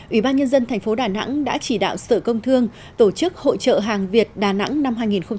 ủy ban nhân dân tp đà nẵng đã chỉ đạo sở công thương tổ chức hội trợ hàng việt đà nẵng năm hai nghìn một mươi tám